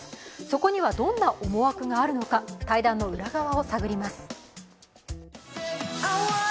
そこにはどんな思惑があるのか対談の裏側を探ります。